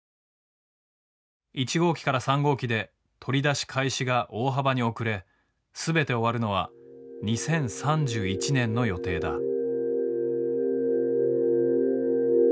１号機から３号機で取り出し開始が大幅に遅れ全て終わるのは２０３１年の予定だ。